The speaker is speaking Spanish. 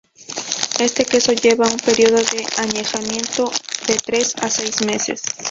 Este queso lleva un periodo de añejamiento de tres a seis meses.